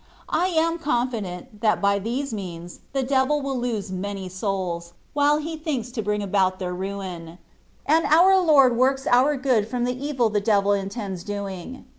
I am confident, that by this means the devil will lose many souls, while he thinks to bring about their ruin, and our Lord works our good from the evil the devil intends doing.